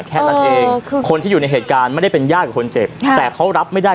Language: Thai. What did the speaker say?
แค่นั้นเองคือคนที่อยู่ในเหตุการณ์ไม่ได้เป็นญาติกับคนเจ็บค่ะแต่เขารับไม่ได้